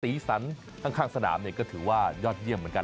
สีสันข้างสนามก็ถือว่ายอดเยี่ยมเหมือนกัน